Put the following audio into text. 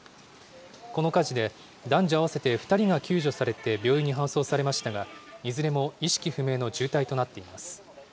この火事で、男女合わせて２人が救助されて病院に搬送されましたが、いずれも意識不明の重体となっています。